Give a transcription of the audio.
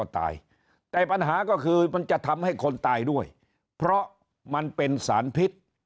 แต่ปัญหาก็คือมันจะทำให้คนตายด้วยเพราะมันเป็นสารพิษ